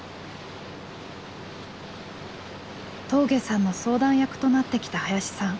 峠さんの相談役となってきた林さん。